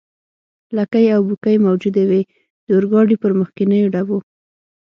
لکۍ او بوکۍ موجودې وې، د اورګاډي پر مخکنیو ډبو.